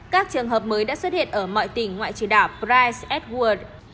các trường hợp mới đã xuất hiện ở mọi tỉnh ngoại trừ đảo price edward